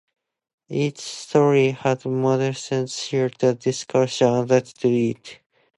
Each story had moderated threaded discussion attached to it.